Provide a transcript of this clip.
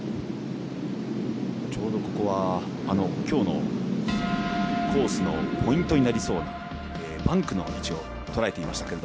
今日のコースのポイントになりそうなバンクの位置をとらえていました。